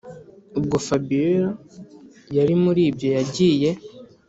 ubwo fabiora yarimuribyo yagiye